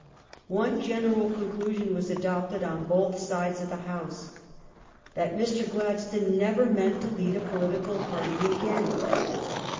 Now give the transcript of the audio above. One general conclusion was adopted on both sides of the House: that Mr. 322 THE STORY OF GLADSTONE'S LIFE Gladstone never meant to lead a political party again.